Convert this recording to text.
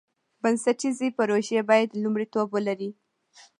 بنسټیزې پروژې باید لومړیتوب ولري.